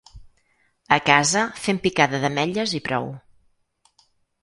A casa, fem picada d’ametlles i prou.